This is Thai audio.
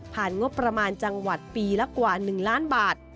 งบประมาณจังหวัดปีละกว่า๑ล้านบาท